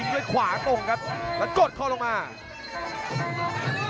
อื้อหือจังหวะขวางแล้วพยายามจะเล่นงานด้วยซอกแต่วงใน